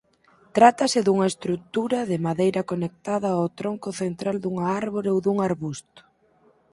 Trátase dunha estrutura de madeira conectada ao tronco central dunha árbore ou dun arbusto.